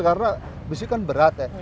karena besi kan berat ya